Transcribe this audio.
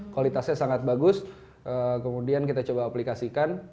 kualitasnya sangat bagus kemudian kita coba aplikasikan